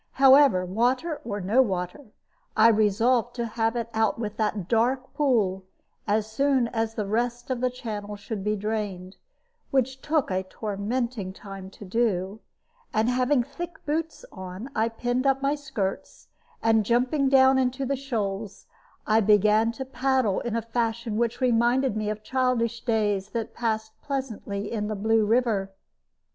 However, water or no water, I resolved to have it out with that dark pool as soon as the rest of the channel should be drained, which took a tormenting time to do; and having thick boots on, I pinned up my skirts, and jumping down into the shoals, began to paddle in a fashion which reminded me of childish days passed pleasantly in the Blue River.